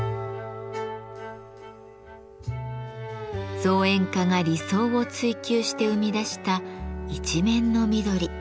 造園家が理想を追求して生み出した一面の緑。